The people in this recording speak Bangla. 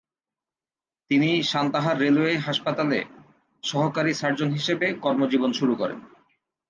তিনি সান্তাহার রেলওয়ে হাসপাতালে সহকারি সার্জন হিসেবে কর্মজীবন শুরু করেন।